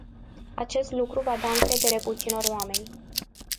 Acest lucru va da încredere puținor oameni.